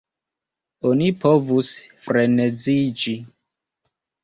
Oni povus freneziĝi.